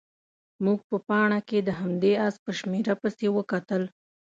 موږ په پاڼه کې د همدې اس په شمېره پسې وکتل.